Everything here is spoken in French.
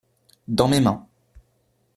Dans mes mains.